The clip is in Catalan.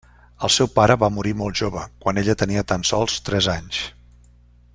El seu pare va morir molt jove quan ella tenia tan sols tres anys.